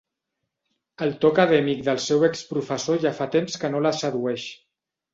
El to acadèmic del seu exprofessor ja fa temps que no la sedueix.